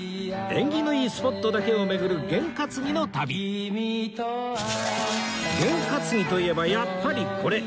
縁起のいいスポットだけを巡る験担ぎの旅験担ぎといえばやっぱりこれ！